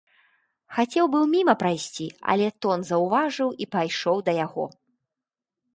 Хацеў быў міма прайсці, але тон заўважыў і пайшоў да яго.